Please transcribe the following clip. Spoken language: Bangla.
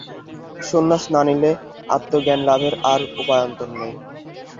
সন্ন্যাস না নিলে আত্মজ্ঞানলাভের আর উপায়ান্তর নেই।